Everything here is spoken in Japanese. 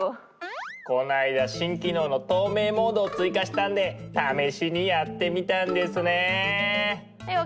この間新機能の透明モードを追加したんで試しにやってみたんですね。